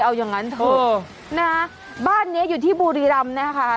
เอาอย่างนั้นเถอะนะบ้านเนี้ยอยู่ที่บุรีรำนะคะ